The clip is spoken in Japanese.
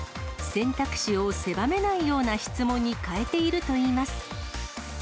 選択肢を狭めないような質問に変えているといいます。